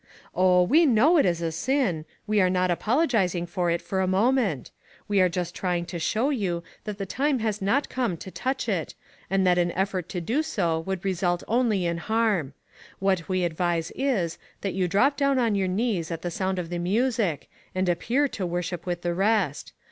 ' Oh, we know it is a sin ; we are not apologizing for it for a moment ; we are just trying to show you PARALLELS. that the time has not come to touch it, and that an effort to do so would result only in harm. What we advise is, that you drop down on your knees at the sound of the music, and appear to worship with the rest.